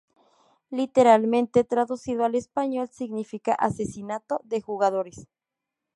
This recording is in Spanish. Literalmente traducido al español significa "asesinato de jugadores".